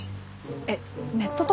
えっネットとか？